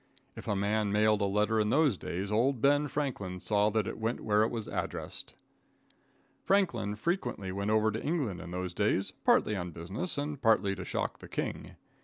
If a man mailed a letter in those days, old Ben Franklin saw that it went where it was addressed. Franklin frequently went over to England in those days, partly on business, and partly to shock the king.